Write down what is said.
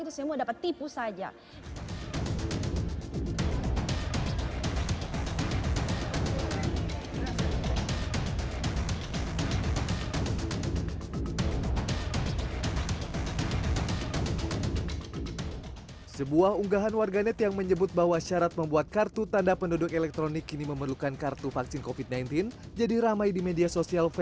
karena salah satu persyaratan yang dituduhkan adalah untuk membuat kartu tanda penduduk elektronik yang diperlukan untuk membuat kartu vaksin covid sembilan belas